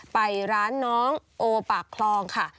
ไปร้านน้องโอปากคลองค่ะ